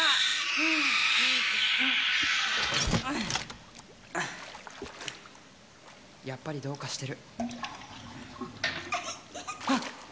うんっやっぱりどうかしてるはっ！